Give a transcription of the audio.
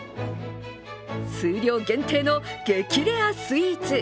数量限定の激レアスイーツ。